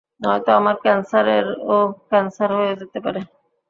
নয়তো আমার ক্যান্সারেরও ক্যান্সার হয়ে যেতে পারে।